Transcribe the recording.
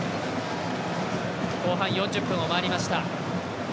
後半４０分を回りました。